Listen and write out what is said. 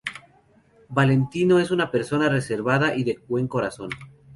Valentino es una persona reservada y de buen corazón.